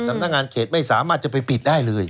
สำนักงานเขตไม่สามารถจะไปปิดได้เลย